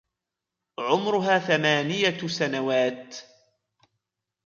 عمرها ثمانية سنوات.